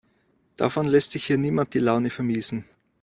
Davon lässt sich hier niemand die Laune vermiesen.